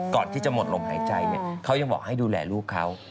ก่อนที่จะหมดลมหายใจเขายังบอกให้ดูแลลูกเขา